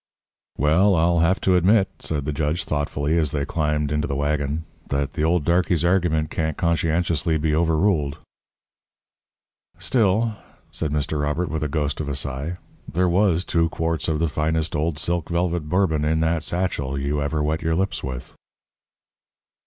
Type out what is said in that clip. "Well, I'll have to admit," said the judge, thoughtfully, as they climbed into the waggon, "that the old darkey's argument can't conscientiously be overruled." "Still," said Mr. Robert, with a ghost of a sigh, "there was two quarts of the finest old silk velvet Bourbon in that satchel you ever wet your lips with."